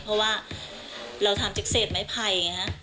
เพราะว่าเราทำจากเศษไม้ไผ่ไงฮะ